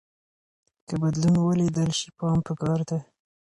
که بدلون ولیدل شي پام پکار دی.